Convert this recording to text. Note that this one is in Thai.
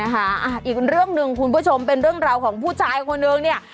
อีกเรื่องหนึ่งคุณผู้ชมเป็นเรื่องราวของผู้ชายคนนึงเนี่ย